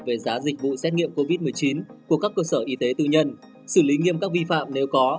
về giá dịch vụ xét nghiệm covid một mươi chín của các cơ sở y tế tư nhân xử lý nghiêm các vi phạm nếu có